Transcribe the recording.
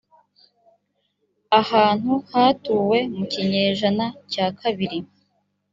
ahantu hatuwe mu kinyejana cya kabiri